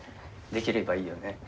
できればいいよね。